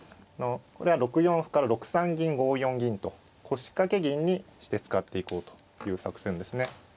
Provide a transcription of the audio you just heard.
これは６四歩から６三銀５四銀と腰掛け銀にして使っていこうという作戦ですね。